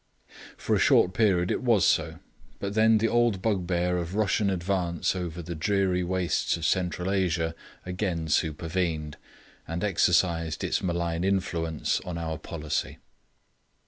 For a short period it was so; but then the old bugbear of Russian advance over the dreary wastes of Central Asia again supervened, and exercised its malign influence on our policy.